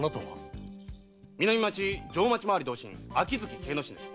南町定町廻り同心秋月敬之進です。